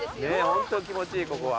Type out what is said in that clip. ホント気持ちいいここは。